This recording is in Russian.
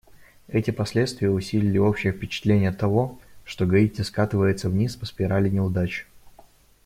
Эти последствия усилили общее впечатление того, что Гаити скатывается вниз по спирали неудач.